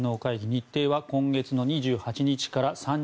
日程は今月の２８日から３０日。